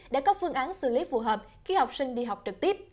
đã có phương án xử lý phù hợp khi học sinh đi học trực tiếp